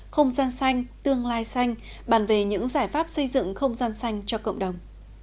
không gian xanh tương lai xanh bàn về những giải pháp xây dựng không gian xanh cho cộng đồng